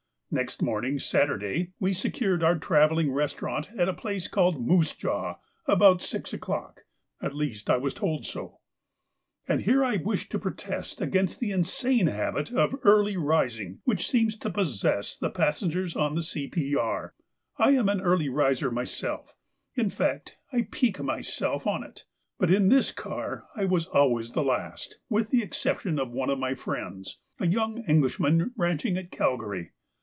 Next morning, Saturday, we secured our travelling restaurant at a place called Moosejaw about six o'clock—at least I was told so. And here I wish to protest against the insane habit of early rising which seems to possess the passengers on the C.P.R. I am an early riser myself, in fact I pique myself on it, but in this car I was always the last, with the exception of one of my friends, a young Englishman ranching at Calgary.